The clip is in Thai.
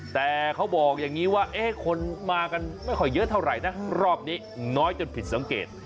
แต่เขาบอกอย่างนี้ว่าคนมากันไม่ค่อยเยอะเท่าไหร่นะรอบนี้น้อยจนผิดสังเกต